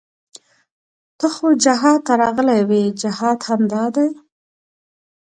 ته خو جهاد ته راغلى وې جهاد همدا دى.